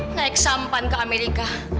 naik sampan ke amerika